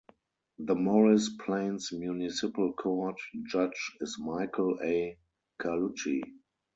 The Morris Plains Municipal Court judge is Michael A. Carlucci.